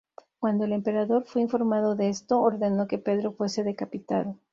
Cuando el emperador fue informado de esto, ordenó que Pedro fuese decapitado.